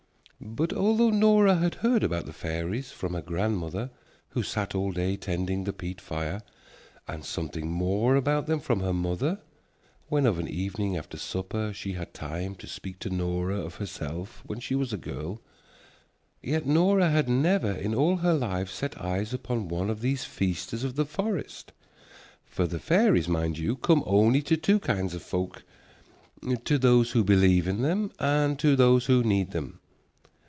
But although Nora had heard about the fairies from her grandmother, who sat all day tending the peat fire, and something more about them from her mother when of an evening after supper she had time to speak to Nora of herself when she was a girl, yet Nora had never in all her life set eyes upon one of these feasters of the forest. For the fairies, mind you, come only to two kinds of folk, to those who believe in them and to those who need them.